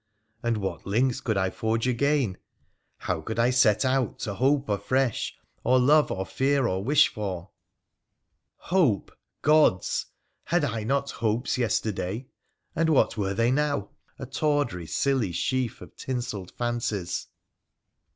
And what links could I forge again ? How could I set out to hope afresh or PHRA THE PHCEmCIAN 259 love, or fear, or wish for ? Hope ! gods ! had I not hopes yesterday ? And what were they now ?— a tawdry, silly sheaf of tinselled fancies.